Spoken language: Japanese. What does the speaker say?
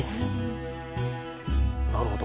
なるほど。